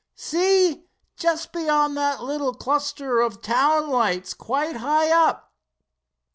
"See, just beyond that little cluster of town lights quite high up."